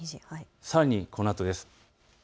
さらにこのあとです。